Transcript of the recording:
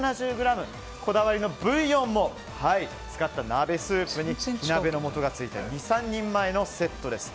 こだわりのブイヨンも使った鍋スープに火鍋の素がついた２３人前のセットです。